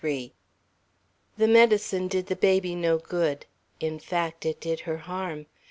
XXIII THE medicine did the baby no good. In fact, it did her harm.